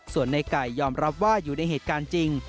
ส่วนในไก่ยอมรับว่าอยู่ในเหตุการณ์จริง